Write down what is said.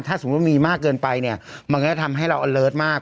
ถ้าสมมุติมีมากเกินไปเนี่ยมันก็จะทำให้เราอเลิศมาก